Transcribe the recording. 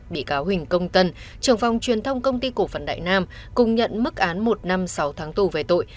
bị cáo huỳnh công tân trưởng phòng truyền thông công ty cổ phần đại nam cùng nhận mức án một năm sáu tháng tù về tội